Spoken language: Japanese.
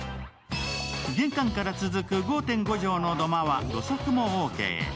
玄関から続く５．５畳の土間は土足もオーケー。